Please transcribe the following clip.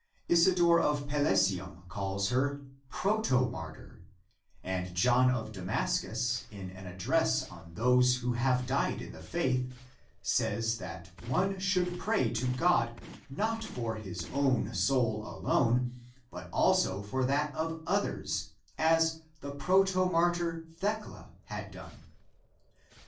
Isidore of Pelusium (Lib., I. epist. 260) calls her " pro tomartyr," and John of Damascus in an address on those who have died in the faitli,^ says, that one should pray to God not for his own soul alone, but also for that of others, as the protomartyr Thecla had done.